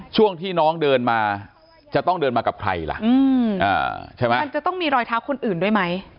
ช่วงที่น้องเดินมาจะต้องเดินมากับใครล่ะใช่ไหมมันจะต้องมีรอยเท้าคนอื่นด้วยไหม